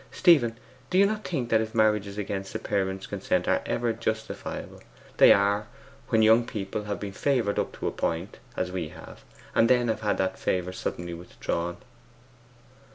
Stephen, do you not think that if marriages against a parent's consent are ever justifiable, they are when young people have been favoured up to a point, as we have, and then have had that favour suddenly withdrawn?